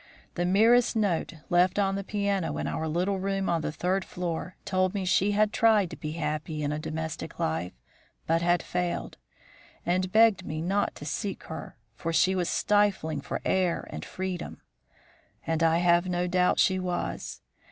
The merest note left on the piano in our little room on the third floor told me she had tried to be happy in a domestic life, but had failed; and begged me not to seek her, for she was stifling for air and freedom. "And I have no doubt she was.